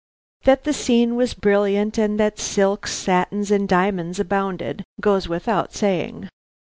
That the scene was brilliant, and that silks, satins, and diamonds abounded, goes without saying.